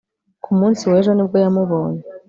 Ku munsi wejo ni bwo yamubonye